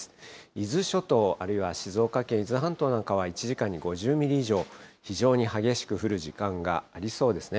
伊豆諸島、あるいは静岡県、伊豆半島なんかは、１時間に５０ミリ以上、非常に激しく降る時間がありそうですね。